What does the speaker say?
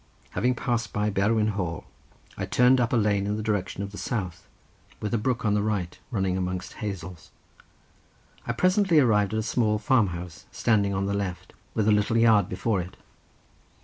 Having passed by Pengwern Hall I turned up a lane in the direction of the south, with a brook on the right running amongst hazels. I presently arrived at a small farm house standing on the left with a little yard before it.